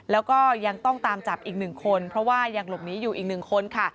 แล้วก็ยังต้องตามจับอีก๑คนเพราะว่ายังหลบหนีอยู่อีก๑คนค่ะ